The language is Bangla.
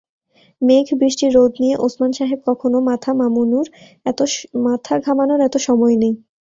মেঘ-বৃষ্টি-রোদ নিয়ে ওসমান সাহেব কখনো মাথা মামুনুর এত সময় নেই।